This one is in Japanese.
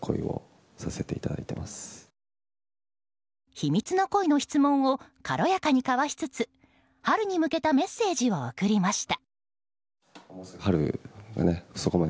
秘密の恋の質問を軽やかにかわしつつ春に向けたメッセージを送りました。